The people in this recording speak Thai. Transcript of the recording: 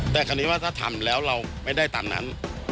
แต่คราวนี้ว่าถ้าทำแล้วเราไม่ได้ตามนั้น